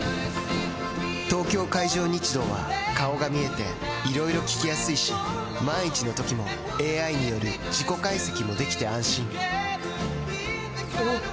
東京海上日動は顔が見えていろいろ聞きやすいし万一のときもＡＩによる事故解析もできて安心おぉ！